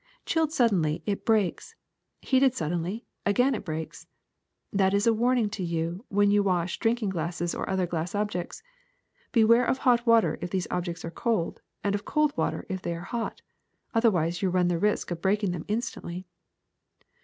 Chilled suddenly, it breaks; heated sud denly, again it breaks. That is a warning to you when you wash drinking glasses or other glass ob jects. Beware of hot water if these objects are cold, and of cold water if they are hot ; otherwise you run the risk of breaking them instantly.